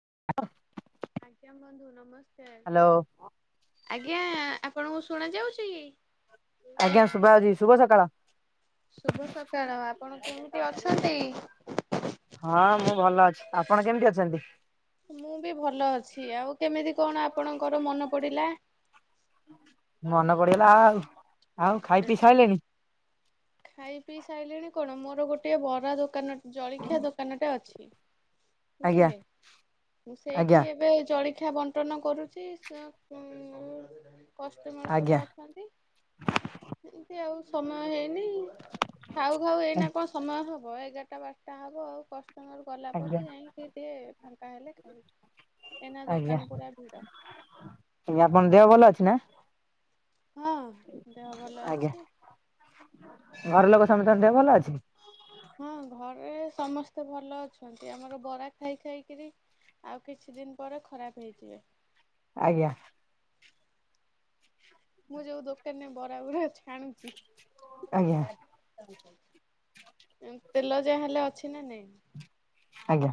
[unintelligible] [unintelligible] Hello ଆଜ୍ଞା ଆପଣଙ୍କୁ ଶୁଣା ଯାଉଚି କି? ଆଜ୍ଞା ଶୁଭା ଜାଉଚି ଶୁଭ ସକାଳ। ଶୁଭ ସକାଳ ଆପଣ କେମିତି ଅଛନ୍ତି? ହଁ ମୁଁ ଭଲ ଅଛି ଆପଣ କେମିତି ଅଛନ୍ତି? ମୁଁ ବି ଭଲ ଅଛି ଆଉ କେମିତି କଣ ଆପଣଙ୍କର ମନେ ପଡିଲା? ମନେ ପଡିଗଲା ଆଉ, ଆଉ ଖାଇ ପିଇ ସାରଲେଣି? ଖାଇ ପିଇ ସାରିଲିଣି କଣ ମୋର ଗୋଟେ ବରା ଦୋକାନଟ ଜଳଖିଆ ଦୋକାନଟେ ଅଛି। ଆଜ୍ଞା ବୁଝିଲେ ମୁଁ ସେଇଠି ଆଜ୍ଞା ଏବେ ଜଳି ଖିଆ ବଣ୍ଟନ କରୁଚି ସେ [unintelligible] କଷ୍ଟମର ସବୁ ଆଜ୍ଞା ଅଛନ୍ତି ଏମିତି ଆଉ ସମୟ ହେଇ ନି ଖାଉ ଖାଉ ଏଇନା କଣ ସମୟ ହବ ଏଗାରଟା ବାରଟା ହବ ଆଉ କହ। ତାଙ୍କର ଗଲା ଆଜ୍ଞା ପରେ ଯାଇଁକି ଫ୍ରି ଟିକେ ଫାଙ୍କା ହେଲେ ଖାଇବି। ଆଜ୍ଞା ଆଜ୍ଞା ଆପଣ ଦେହ ଭଲ ଅଛି ନା? ହଁ ଦେହ ଭଲ ଆଜ୍ଞା ଅଛି। ଘର ଲୋକ ସମସ୍ତଙ୍କ ଦେହ ଭଲ ଅଛି? ହଁ ଘରେ ସମସ୍ତେ ଭଲ ଅଛନ୍ତି ଆମର ବରା ଖାଇ ଖାଇକିରି ଆଉ କିଛି ଦିନ ପରେ ଖରାପ ହେଇଯିବେ। ଆଜ୍ଞା। ମୁଁ ଯୋଉ ଦୋକାନରେ ବରା ଗୁରା ଛାଣୁଚି ଆଜ୍ଞା ତେଲ ଯା ହେଲେ ଅଛି ନା ନାଇଁ ଆଜ୍ଞା।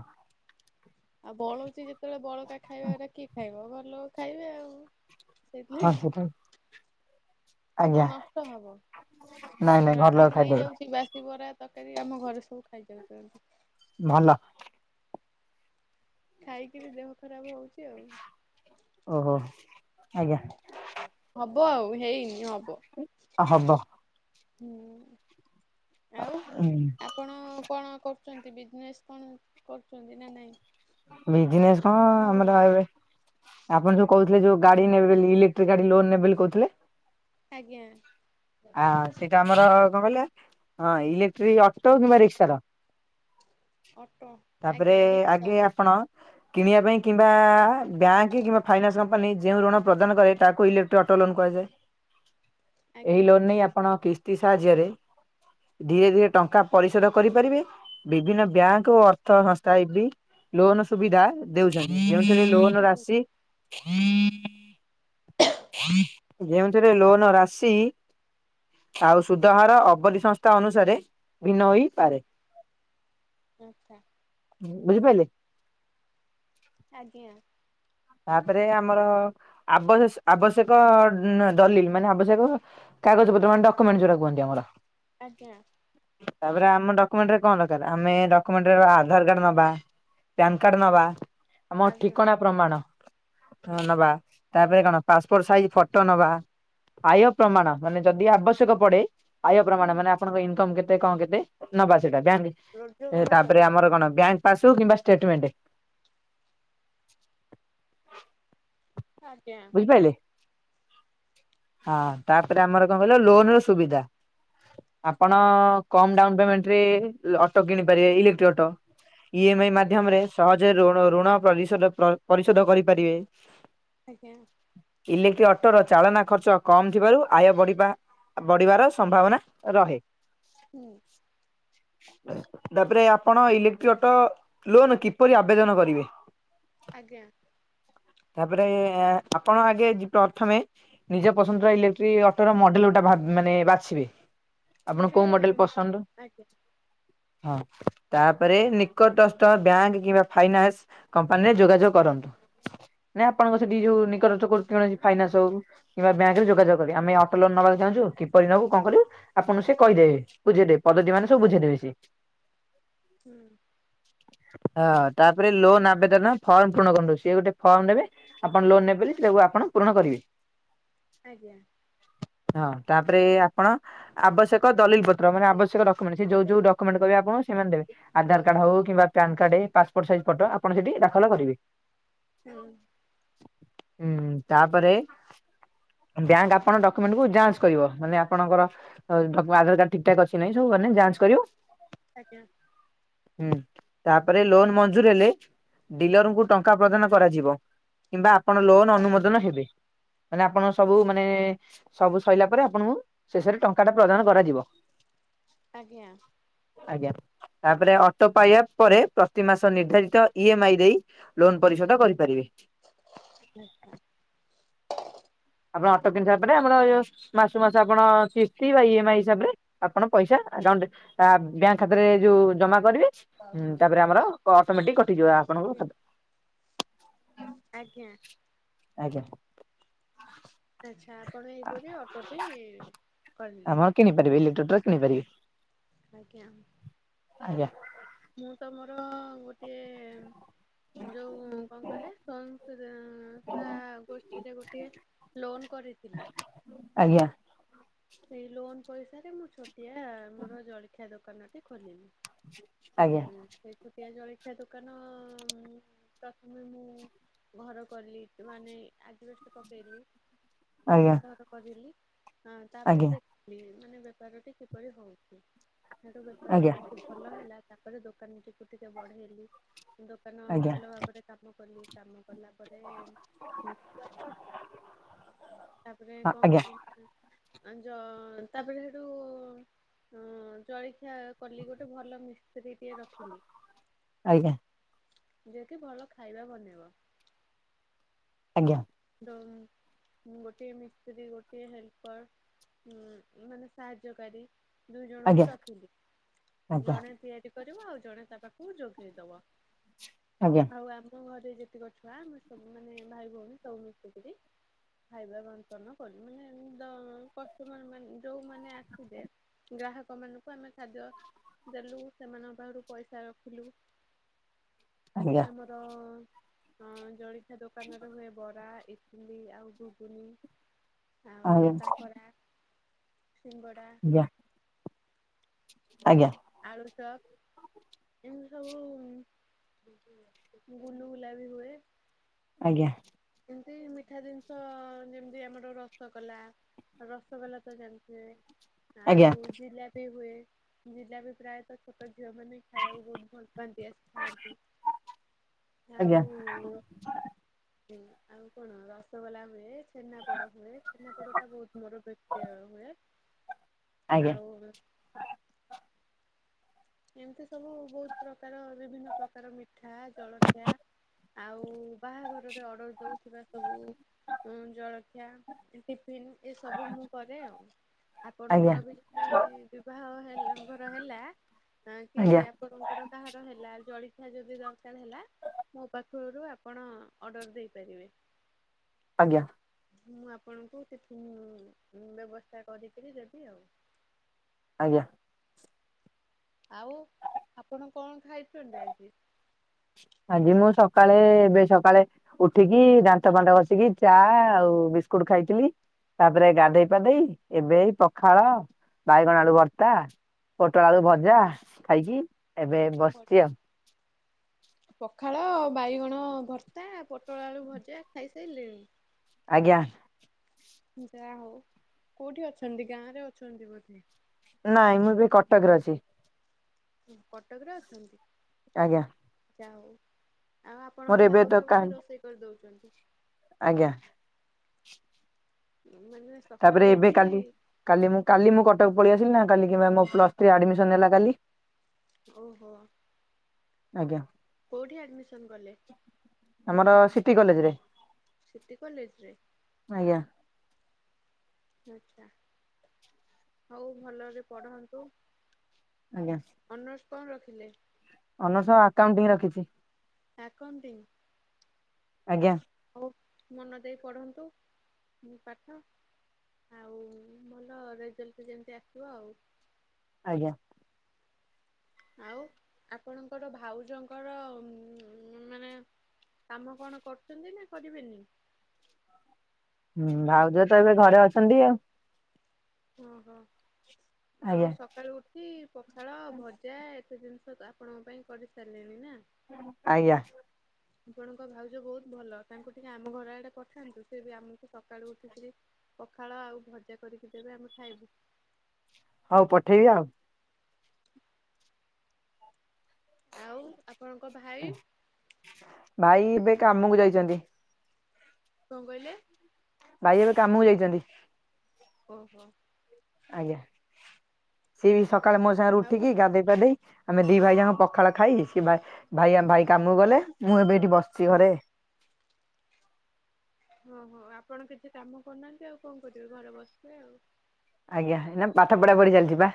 ଆଉ ବଳଉଚି ଯେତେବେଳେ ବଳକା ଖାଇବା ରା କିଏ ଖାଇବ ଘରଲୋକ ଖାଇବେ ଆଉ। ହଁ ସେଇଥିଲାଗି ସେଟା ଆଉ କଣ ଆଜ୍ଞା ନଷ୍ଟ ହବ ନାଇଁ ନାଇଁ ଘର ଲୋକ ରାତିକି ଖାଇଦେବେ ନେଇଯାଉଚି ବାସ ସେଇ ବରା ତରକାରୀ ଆମ ଘରେ ସବୁ ଖାଇଯାଉଛନ୍ତି। ଭଲ। ଖାଇକିରି ଦେହ ଖରାପ ହଉଚି ଆଉ। ଓହୋ ଆଜ୍ଞା। ହବ ଆଉ ହେଇନି ହବ। ହବ ହୁଁ ଆଉ ଆପଣ କଣ କ ଚନ୍ତି ବିଜନେସ୍ କଣ କରୁଛନ୍ତି ନା ନାଇଁ? ବିଜନେସ୍ କଣ ମୋ ଭଳି? ଆମର ଅଉ ବେ ଆପଣ ଯୋଉ କହୁଥିଲେ ଯୋଉ ଗାଡି ନେବେ ବେଲି ଇଲେକ୍ଟ୍ରିକ ଗାଡି ଲୋନ ନେବେ ବଲି କହୁଥିଲେ ଆଜ୍ଞା। ଆ ସେଇଟା ଆମର କଣ କହିଲ ହଁ ଇଲେକ୍ଟ୍ରିକ ଅଟୋ କିମ୍ବା ରିକ୍ସାର ଅଟୋ ତାପରେ ଆଜ୍ଞା ରିକ୍ସା ଆଗେ ଆପଣ କିଣିବା ପାଇଁ କିମ୍ବା ବ୍ୟାଙ୍କ କିମ୍ବା ଫାଇନାନ୍ସ କମ୍ପାନୀ ଯେଉ ଋଣ ପ୍ରଦାନ କରେ ତାକୁ ଇଲେକ୍ଟ୍ର ଅଟୋ [inaudible] କଲନ କୁହାଯାଏ ଏଇ ଆଜ୍ଞା ଲୋନ ନେଇ ଆପଣ କିସ୍ତି ସାହାଯ୍ୟରେ ଧୀରେ ଧୀରେ ଟଙ୍କା ପରିଶୋଧ କରିପାରିବେ ବିଭିନ୍ନ ବ୍ୟାଙ୍କ ଓ ଅର୍ଥ ସଂସ୍ଥା ଏ ବି ଲୋନ ସୁବିଧା ଦେଉଚନ୍ତି ଯେଉଥିରେ ଲୋନ ରାଶି ଯେଉଁଥିରେ ଲୋନ ରାଶି ଆଉ ସୁଧହାର ଅବଧି ସଂସ୍ଥା ଅନୁସାରେ ଭିନ୍ନ ହେଇପାରେ, ଆଚ୍ଛା ବୁଝିପାଇଲେ? ଆଜ୍ଞା ତାପରେ ଆମର ଆବ୍ୟ ଆବଶ୍ୟକ ଦଲିଲ ମାନେ ଆବଶ୍ୟକ କାଗଜ ପତ୍ର ମାନେ ଡକୁମେଣ୍ଟ ଯୋଉରା କୁହନ୍ତି ଆମର। ଆଜ୍ଞା ତାପରେ ଆମ ଡକୁମେଣ୍ଟରେ କଣ ଦରକାର ଆମେ ଡକୁମେଣ୍ଟ ରେ ଆଧାର କାର୍ଡ ନବା ପ୍ୟାନ କାର୍ଡ ନବା ଆମ ଆଜ୍ଞା ଠିକଣା ପ୍ରମାଣ ହଁ ନବା ତାପରେ କଣ ପାସପୋର୍ଟ ସାଇଜ ଫଟୋ ନବା। ଆୟ ପ୍ରମାଣ ମାନେ ଯଦି ଆବଶ୍ୟକ ପଡେ ଆୟ ହୁଁ ପ୍ରମାଣ ମାନେ ଆପଣଙ୍କ ଇନକମ୍ କେତେ କଣ କେତେ ନବା ସେଟା ବି ଆମେ ରୋଜଗାର ତାପରେ କେତେ? ଆମର କଣ ବ୍ୟାଙ୍କ ପାସବୂକ କିମ୍ବା ଷ୍ଟେଟମେଣ୍ଟେ ଆଜ୍ଞା ବୁଝିପାଇଲେ ହଁ ତାପରେ ଆମର କଣ କହିଲ ଲୋନ ର ସୁବିଧା ଆପଣ କମ ଡାଉନ ପେମେଣ୍ଟରେ ଅଟୋ କିଣିପାରିବେ ଇଲେକ୍ଟ୍ରି ଅଟୋ। ଇଏମ ଆଇ ଆଜ୍ଞା ମାଧ୍ୟମରେ ସହଜରେ ଋଣ ଋଣ ପରିଶୋଧ ପରିଶୋଧ କରିପାରିବେ। ଆଜ୍ଞା ଇଲେକ୍ଟ୍ରି ଅଟୋର ଚାଳନା ଖର୍ଚ୍ଚ କମ ଥିବାରୁ ଆୟ ବଢିବା ବଢିବାର ସମ୍ଭାବନା ରହେ। ହୁଁ ତାପରେ ଆପଣ ଇଲେକ୍ଟ୍ରି ଅଟୋ ଲୋନ କିପରି ଆବେଦନ କରିବେ? ଆଜ୍ଞା ତାପରେ ଏଆଁ ଆପଣ ଆଗେ ଜି ପ୍ରଥମେ ନିଜ ପସନ୍ଦର ଇଲେକ୍ଟ୍ରିକ ଅଟୋ ର ମଡେଲ ଗୋଟେ ଭାବ ମାନେ ବାଛିବେ। ଆପଣ ଗୋଟେ କୋଉ ମଡେଲ ପସନ୍ଦ? ଆଜ୍ଞା ହଁ ତାପରେ ନିକଟସ୍ଥ ବ୍ୟାଙ୍କ କିମ୍ବା ଫାଇନାନ୍ସ କମ୍ପାନୀରେ ଯୋଗାଯୋଗ କରନ୍ତୁ। ନା ଆପଣଙ୍କ ସେଠି ଯୋଉ ନିକରତ୍ କରୁ କୌଣସି ଫାଇନାନ୍ସ ହଉ କିମ୍ବା ବ୍ୟାଙ୍କ ରେ ଯୋଗାଯୋଗ କରିବେ ଆମେ ଅଟୋ ଲୋନ ନବାକୁ ଚାହୁଁଛୁ କିପରି ନବୁ କଣ କରିବୁ ଆପଣ ସେ କହିଦେବେ ବୁଝେଇଦେବେ ପଦତି ମାନେ ସବୁ ବୁଝେଇଦେବେ ସେ। ହୁଁ ହଁ ତାପରେ ଲୋନ୍ ଆବେଦନ ଫର୍ମ ପୂରଣ କରନ୍ତୁ ସିଏ ଗୋଟେ ଫର୍ମ ନେବେ ଆପଣ ଲୋନ ନେବବୋଲି ସେଟାକୁ ଆପଣ ପୂରଣ କରିବେ। ଆଜ୍ଞା ହଁ ତାପରେ ଆପଣ ଆବଶ୍ୟକ ଏକ ଦଲିଲ ପତ୍ର ମାନେ ଆବଶ୍ୟକ ଡକ୍ୟୁମେଣ୍ଟ ସେ ଯୋଉ ଯୋଉ ଡକୁମେଣ୍ଟ କହିବେ ଆପଣ ସେମାନେ ଦେବେ ଆଧ କାର୍ଡ ହଉ କିମ୍ବା PAN card passport size photo ଆପଣ ସେଠି ଦାଖଲ କରିବେ। ହୁଁ ହୁଁ ତାପରେ ବ୍ୟାଙ୍କ ଆପଣଙ୍କ ଡକ୍ୟୁମେଣ୍ଟକୁ ଯାଞ୍ଚ କରିବ ମାନେ ଆପଣଙ୍କର ଡକ୍ ଆଧାର କାର୍ଡ ଠିକ ଠାକ୍ ଅଛି କି ନାହିଁ ସବୁ ଫୋନରେ ଯାଞ୍ଚ କରିବୁ ଆଜ୍ଞା ହୁଁ ତାପରେ ଲୋନ ମଞ୍ଜୁର ହେଲେ ଡିଲରଙ୍କୁ ଟଙ୍କା ପ୍ରଦାନ କରାଯିବ। କିମ୍ବା ଆପଣ ଲୋନ ଅନୁମୋଦନ ହେବେ ମାନେ ଆପଣ ସବୁ ମାନେ ସବୁ ସରିଲା ପରେ ଆପଣଙ୍କୁ ଶେଷରେ ଟଙ୍କା ଟା ପ୍ରଦାନ କରାଯିବ। ଆଜ୍ଞା ଆଜ୍ଞା। ତାପରେ ଅଟୋ ପାଇଆ ପରେ ପ୍ରତି ମାସ ନିର୍ଦ୍ଧାରିତ ଇ ଏମ୍ ଆଇ ଦେଇ ଲୋନ ପରିଶୋଧ କରିପାରିବେ। ଆଚ୍ଛା। ଆପଣ ଅଟୋ କିଣି ସାରିଆ ପରେ ଆମର ଏ ଯୋଉ ମାସୁକୁ ମାସ ଆପଣ କିସ୍ତି ବା ଇ ଏମ୍ ଆଇ ହିସାବରେ ଆପଣ ପଇସା ଆ କାଉଣ୍ଟ ଆ ବ୍ୟାଙ୍କ ଖାତାରେ ଯୋଉ ଜମା କରିବେ। ହୁଁ ତାପରେ ଆମର କ ଅଟୋମେଟିକ୍ କଟିଯିବ ଆପଣଙ୍କ ଖାତା ଆଜ୍ଞା। ଆଜ୍ଞା ଆଚ୍ଛା ଆପଣ ଏହି ପରି ଅଟୋଟି କରିଲେ। ଆମର କିଣିପାରିବେ ଇଲେକ୍ଟ୍ରିଟା କିଣିପାରିବେ ଆଜ୍ଞା। ଆଜ୍ଞା। ମୁଁ ତମର ଗୋଟିଏ ଯୋଉଁ କଣ କହିଲେ ସ୍ଵୟଂ ଶା ଏଁ ତା ଗୋଷ୍ଠୀରେ ଗୋଟିଏ ଲୋନ କରିଥିଲି। ଆଜ୍ଞା ସେଇ ଲୋନ୍ ପଇସା ରେ ମୁଁ ଛୋଟିଆ ମୋର ଜଳଖିଆ ଦୋକାନଟି ଖୋଲିମି। ଆଜ୍ଞା ଉଁ ସେ ଛୋଟିଆ ଜଳିଖିଆ ଦୋକାନ ପ୍ରଥମେ ମୁଁ ଘର କଲି ମାନେ ଆଜବେଷ୍ଟ୍ ପକେଇଲି। ଘର କରିଲି ହଁ ତାପରେ ଆଜ୍ଞା ଆଜ୍ଞା ଦେଖିଲି। ମାନେ ବେପାର ଟି କିପରି ହଉଛି। ସେଠୁ ବେପାର ଆଜ୍ଞା ଯେମିତି ଭଲ ହେଲା ତାପରେ ଦୋ ଦୋକାନ ଟିକୁ ଟିକେ ବଢେଇଲି। ଦୋକାନ ଆଜ୍ଞା ଭଲ ଭାବରେ କାମ କଲି କାମ କଲା। ତାପରେ ଉଁ ତା ତାପରେ ହଁ କଣ ଆଜ୍ଞା କରିବି ନା ଆଉ ଜ ତାପରେ ସେଠୁ ଅଁ ଜଳିଖିଆ କଲି ଗୋଟେ ଭଲ ମିସ୍ତ୍ରୀ ଟିଏ ରଖିଲି। ଆଜ୍ଞା। ଯିଏକି ଭଲ ଖାଇବା ବନେଇବ। ଆଜ୍ଞା। ଉଁ ଗୋଟିଏ ମିସ୍ତ୍ରୀ ଗୋଟିଏ ହେଲପର ଉଁ ମାନେ ସାହାଯ୍ୟକାରୀ। ଦୁଇ ଜଣଙ୍କୁ ରଖିଲି। ଜଣେ ତିଆରି କରିବ ଆଉ ଜଣେ ତା ପାଖକୁ ଯୋଗେଇ ଦବ। ଆଜ୍ଞା ଆଜ୍ଞା ଆଜ୍ଞା ଆଜ୍ଞା ଆଜ୍ଞା ଆଜ୍ଞା ଆଉ ଆମ ଘ ସେ ଯେତିକ ଛୁଆ ଆମେ ସବୁ ମାନେ ଭାଇ ଭଉଣୀ ସବୁ ମିଶିକିରି ଖାଇବା ବଣ୍ଟନ କଲୁ ମାନେ ଉଁ ଦ କଷ୍ଟମର ମାନ୍ ଯୋଉ ମାନେ ଆସିବେ ଉଁ ଗ୍ରାହକ ମାନଙ୍କୁ ଆମେ ଖାଦ୍ୟ ଦେଲୁ ସେମାନଙ୍କ ପାଖରୁ ପଇସା ରଖିଲୁ। ଆଜ୍ଞା ଆମର ଅଁ ଜଳିଖିଆ ଦୋକାନରେ ହୁଏ ବରା, ଇଟିଲି ଆଉ ଗୁଗୁନି ଆଉ ଆଜ୍ଞା କାକରା। ସିଙ୍ଗଡ଼ା। ଆଜ୍ଞା। ଆଳୁଚପ। ଏମତି ସବୁ ଉଁ ଗୁଲୁଗୁଲା ବି ହୁଏ। ଆଜ୍ଞା। ଏମତି ମିଠା ଜିନିଷ ଯେମିତି ଆମର ରସଗୋଲା। ରସଗୋଲା ତ ଜାଣିଥିବେ? ଆଉ ଆଜ୍ଞା ଜିଲାପି ହୁଏ। ଜିଲାପି ପ୍ରାୟତଃ ଛୋଟ ଝିଅ ମାନେ ବି ଖାଇଆକୁ ବହୁତ ଭଲ ପାଆନ୍ତି ଆସି ଖାଆନ୍ତି। ଆଉ ଉଁ ଆଉ କଣ। ହଁ ରସଗୋଲା ହୁଏ, ଛେନାପୋଡ ହୁଏ ଛେନାପୋଡ ଟା ବହୁତ ମୋର ବିକ୍ରି ହୁଏ। ହ ଆଉ ଉଁ ଏମିତି ସବୁ ବହୁତ ପ୍ରକାର ବିଭିନ୍ନ ପ୍ରକାର ମିଠା ଜଳଖିଆ। ଆଉ ବାହାଘରରେ ଅର୍ଡର ଦଉଥିବା ସବୁ ଉଁ ଜଳଖିଆ ଇଁ ଟି ଫିନ୍ ଏସବୁ ମୁଁ କରେ ଆଉ। ଆପଣଙ୍କର ବି ଯଦି ବିବାହ ହେ ଘର ହେଲା କ କି ଆପଣଙ୍କର କାହାର ହେଲା ଖିଆ ଯଦି ଦରକାର ହେଲା ମୋ ପାଖରୁ ଆପଣ ଅର୍ଡର ଦେଇପାରିବେ। ଆଜ୍ଞା। ମୁଁ ଆପଣଙ୍କୁ ଟିଫିନ୍ ବ୍ୟବସ୍ଥା କରିକିରି ଦେବି ଆଉ। ଆଜ୍ଞା। ଆଉ ଆପଣ କଣ ଖାଇଚନ୍ତି ଆଜି? [inaudible] ଆଜି ମୁଁ ସକାଳେ ଏବେ ସକାଳେ ଉଠିକି ଦାନ୍ତ ଫାନ୍ତ ଘଶିକି ଚା ଆଉ ବିସ୍କୁଟ ଖାଇଥିଲି। ତାପରେ ଗାଧେଇ ପାଧେଇ ଏବେ ଏଇ ପଖାଳ ବାଇଗଣ ଆଳୁ ଭର୍ତ୍ତା ପୋଟଳ ଆଳୁ ଭଜା ଖାଇକି ଏବେ ବସିଚି ଆଉ। ପଖାଳ, ବାଇଗଣ ଭର୍ତ୍ତା, ପୋଟଳ ଆଳୁ ଭଜା ଖାଇସାରିଲେଣି? ଆଜ୍ଞା। ଯାହା ହଉ କୋଉଠି ଅଛନ୍ତି ଗାଁରେ ଅଛନ୍ତି ବୋଧେ? ନାଇଁ ମୁଁ ଏବେ କଟକରେ ଅଛି। କଟକରେ ଅଛନ୍ତି? ଆଜ୍ଞା। ଯା ହଉ ଆଉ ମୋର ଆପଣଙ୍କ ଏବେ ତ ଭାଉଜ କା ବୋଧେ ରୋଷେଇ କରିଦଉଚନ୍ତି? ଆଜ୍ଞା। ମାନେ ସକାଳୁ ତାପରେ ଏବେ ଉଠି କାଲି କାଲି ମୁଁ କାଲି ମୁଁ କଟକ ପଳେଇଆ ନା କାଲିକି ମାମ ପ୍ଲସ ଥ୍ରି ଆଡମିଶନ୍ ହେଲା କାଲି। ଓହୋ। ଆଜ୍ଞା। କୋଉଠି ଆଡମିସନ କଲେ? ଆମର ସିଟି କଲେଜ ରେ। ସିଟି କଲେଜ ରେ? ଆଜ୍ଞା। ଆଛା ହଉ ଭଲରେ ପଢନ୍ତୁ। ଆଜ୍ଞା। ଅନର୍ସ କଣ ରଖିଲେ? ଅନର୍ସ ଆକାଉଣ୍ଟିଂ ରଖିଚି। ଆକାଉଣ୍ଟିଂ? ଆଜ୍ଞା। ହଉ ମନ ଦେଇ ପଢନ୍ତୁ ପାଠ। ଆଉ ଭଲ ରେଜଲ୍ଟ ଯେମିତି ଆସିବ ଆଉ। ଆଜ୍ଞା। ଆଉ ଆପଣଙ୍କର ଭାଉଜଙ୍କର ମାନେ କାମ କଣ କରୁଚନ୍ତି ନା କରିବେନି? ହୁଁ ଭାଉଜ ତ ଏବେ ଘରେ ଅଛନ୍ତି ଆଉ। ଓହୋ ଆଜ୍ଞା ଆଉ ସକାଳୁ ଉଠି ପଖାଳ ଭଜା ତେ ଜିନିଷ ତ ଆପଣଙ୍କ ପାଇଁ କରିସାରିଲେଣି ନା? ଆଜ୍ଞା। ଆପଣଙ୍କ ଭାଉଜ ବହୁତ ଭଲ ତାଙ୍କୁ ଟିକେ ଆମ ଘର ଆଡେ ପଠାନ୍ତୁ ସେ ବି ଆମକୁ ସକାଳୁ ଉଠିକିରି ପଖାଳ ଆଉ ଭଜା କରିକି ଦେବେ ଆମେ ଖାଇବୁ। ହଉ ପଠେଇବି ଆଉ। ଆଉ? ଆ ଭାଇ ଏବେ କାମକୁ ଯାଇଚନ୍ତି। କଣ କହିଲେ? ଭାଇ ଏବେ କାମକୁ ଯାଇଚନ୍ତି। ଓ ହୋ ଆଜ୍ଞା ସିଏ ବି ସକାଳେ ମୋ ସାଙ୍ଗରେ ଆଉ ଉଠିକି ଗାଧେଇ ପାଧେଇ ଆମେ ଦି ଭାଇ ଯାକ ପଖାଳ ଖାଇ ସେ ଭାଇ ଭାଇ କାମକୁ ଗଲେ ମୁଁ ଏବେ ଏଇଠି ବସିଛି ଘରେ [inaudible] ହଁ ହୋ ଆପଣ କିଛି କାମ କରୁନାହାନ୍ତି ଆଉ କଣ କରିବେ ଘରେ ବସିବେ ଆଉ ଆଜ୍ଞା ଏଇନା ପାଠ ପଢା ପଢି ଚାଲିଛି ବା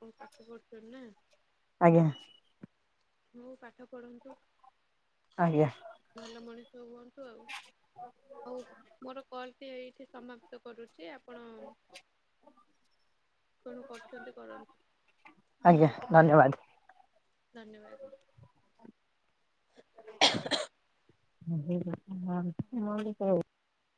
କ ପାଠ ପଢଛ ନା ଆଜ୍ଞା ହଉ ପାଠ ପଢନ୍ତୁ ଆଜ୍ଞା ଭଲ ମଣିଷ ହୁଅ ତୁଆଉ ହଉ ମୋର କଲଟି ଏଇଠି ସମାପ୍ତ କରୁଛି ଆପଣ କଣ କରୁଛନ୍ତି କରନ୍ତୁ ମୁଁ ଆଜ୍ଞା ଯାଉଚି ଖାଇବି ଧନ୍ୟବାଦ। ଧନ୍ୟବାଦ। [unintelligible]